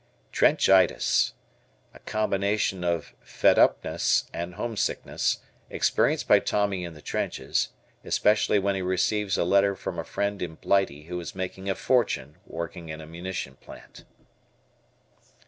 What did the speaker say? "Trenchitis." A combination of "fedupness" and homesickness, experienced by Tommy in the trenches, especially when he receives a letter from a friend in Blighty who is making a fortune working in a munition plant.